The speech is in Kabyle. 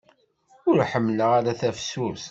Ur ḥemmleɣ ara tafsut.